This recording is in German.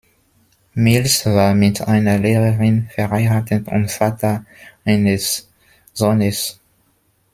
Mills war mit einer Lehrerin verheiratet und Vater eines Sohnes.